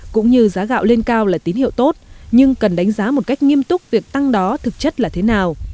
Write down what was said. cũng như giá gạo lên cao là tín hiệu tốt nhưng cần đánh giá một cách nghiêm túc việc tăng đó thực chất là thế nào